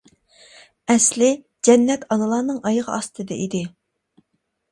ئەسلى «جەننەت ئانىلارنىڭ ئايىغى ئاستىدا. » ئىدى.